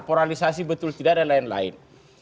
polarisasi betul tidak dan lain lain